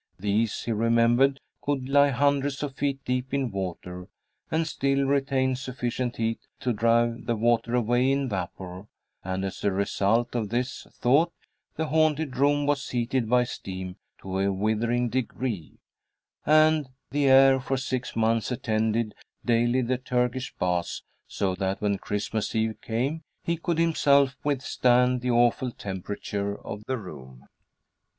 These, he remembered, could lie hundreds of feet deep in water, and still retain sufficient heat to drive the water away in vapor; and as a result of this thought the haunted room was heated by steam to a withering degree, and the heir for six months attended daily the Turkish baths, so that when Christmas Eve came he could himself withstand the awful temperature of the room.